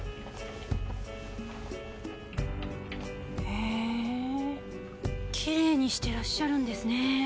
へぇキレイにしてらっしゃるんですね。